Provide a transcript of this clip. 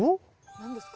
何ですか？